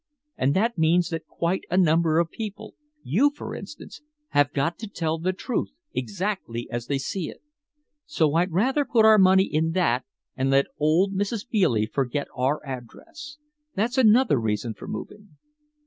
And that means that quite a number of people you for instance have got to tell the truth exactly as they see it. So I'd rather put our money in that and let old Mrs. Bealey forget our address. That's another reason for moving.